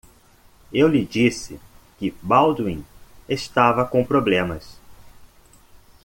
Eu lhe disse que Baldwin estava com problemas.